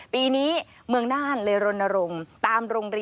ปีนี้เมืองน่านเรรณรงค์